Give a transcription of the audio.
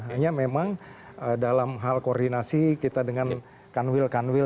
hanya memang dalam hal koordinasi kita dengan kanwil kanwil